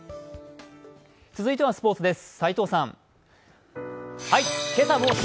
続いてはスポーツです。